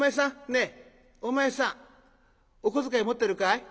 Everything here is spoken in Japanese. ねえお前さんお小遣い持ってるかい？